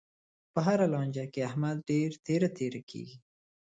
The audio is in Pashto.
په هره لانجه کې، احمد ډېر تېره تېره کېږي.